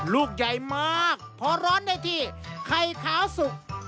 ลูกใหญ่มากพอร้อนได้ที่ไข่ขาวสุก